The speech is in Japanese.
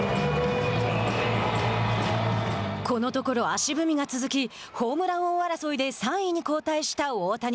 このところ足踏みが続きホームラン王争いで３位に後退した大谷。